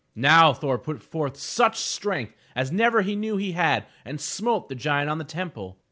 *' Now Thor put forth such strength as never he knew he had, and smote the giant on the temple.